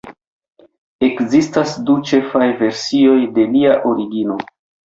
Ekzistas du ĉefaj versioj de lia origino.